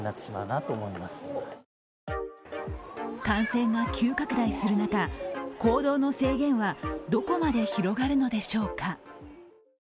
感染が急拡大する中行動の制限はどこまで広がるのでしょうか。